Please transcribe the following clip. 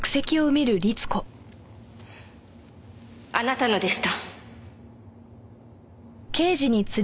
あなたのでした。